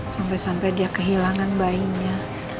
sampai sampai dia kehilangan bayinya